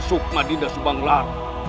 sukma dinda subang larang